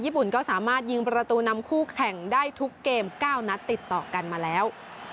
ญุ่นก็สามารถยิงประตูนำคู่แข่งได้ทุกเกม๙นัดติดต่อกันมาแล้ว